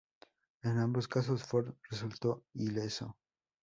En ambos casos, Ford resultó ileso.